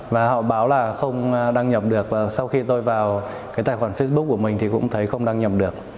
và họ báo là không đăng nhập được sau khi tôi vào cái tài khoản facebook của mình thì cũng thấy không đăng nhập được